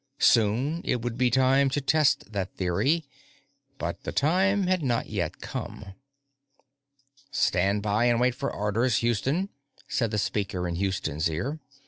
Soon it would be time to test that theory but the time had not yet come. "Stand by and wait for orders, Houston," said the speaker in Houston's ear.